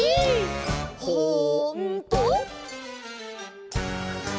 「ほんとー？」